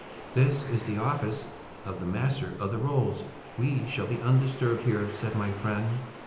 "'This is the office of the Master of the Rolls; we shall be undisturbed here,' said my friend.